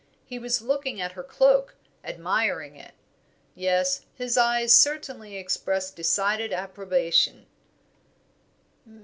He was looking at her cloak, admiring it. Yes, his eyes certainly expressed decided approbation.